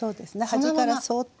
端からそっとね。